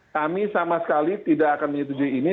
kami sama sekali tidak akan menyetujui ini